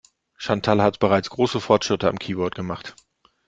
Chantal hat bereits große Fortschritte am Keyboard gemacht.